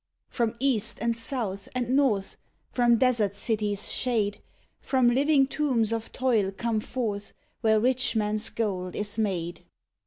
III From East, and South, and North; From desert cities shade, From living tombs of toil, come forth, Where rich man's gold is made.